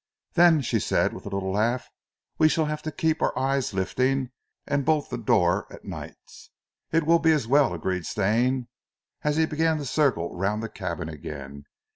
"Then," she said, with a little laugh, "we shall have to keep our eyes lifting and bolt the door o' nights!" "It will be as well," agreed Stane, as he began to circle round the cabin again.